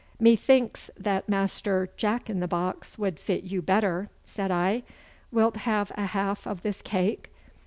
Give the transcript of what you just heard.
'Methinks that Master Jack in the box would fit you better,' said I. 'Wilt have a half of this cake?